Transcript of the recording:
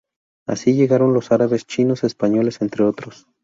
Así llegaron los árabes, chinos, españoles, entre otros.